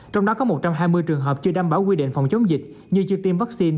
trong đó có một trăm hai mươi trường hợp chưa đảm bảo quy định phòng chống dịch như chưa tiêm vaccine